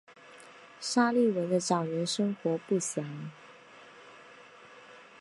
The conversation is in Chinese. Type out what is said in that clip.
沙利文的早年生活不详。